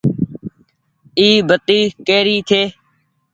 اي بتي ڪي ري ڇي۔